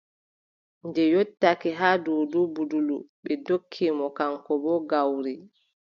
Nde yottake haa Duudu Budula, ɓe ndokki mo kaŋko boo gawri.